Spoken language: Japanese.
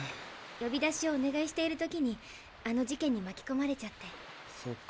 呼び出しをお願いしている時にあの事件に巻きこまれちゃって。